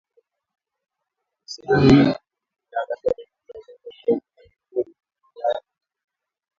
Sehemu hii inaangazia dalili za ugonjwa wa Mkojo Mwekundu yaani homa ya kupe